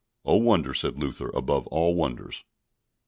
Oh, wonder, said Luther, above all wonders!